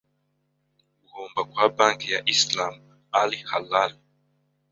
uguhomba kwa banki ya Islam Al Halal